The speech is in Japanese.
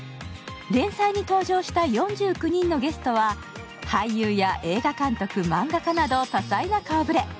連載に登場した４９人のゲストは俳優や映画監督、漫画家など多彩な顔ぶれ。